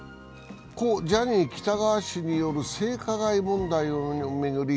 故・ジャニー喜多川氏による性加害問題を巡り